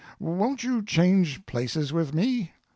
Won't you change places with me?"